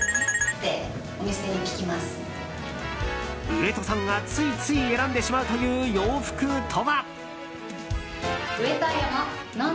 上戸さんがついつい選んでしまうという洋服とは。